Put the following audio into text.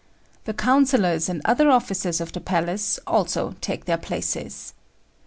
The councillors and other officers of the palace also take their places.